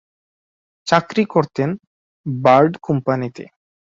চাকরি করতেন বার্ড কোম্পানিতে।